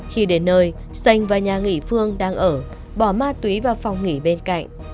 khi đến nơi sành và nhà nghỉ phương đang ở bỏ ma túy vào phòng nghỉ bên cạnh